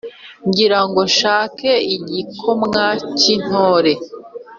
Ngira ngo nshake ikigomwa cy’intore,